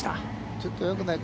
ちょっとよくないか。